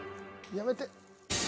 やめて。